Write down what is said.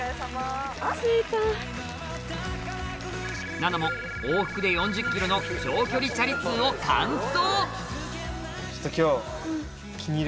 奈菜も往復で４０ｋｍの超距離チャリ通を完走！